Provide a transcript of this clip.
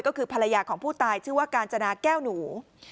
ก็คือภรรยาของผู้ตายชื่อว่ากาญจนาแก้วหนู